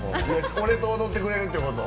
俺と踊ってくれるってこと？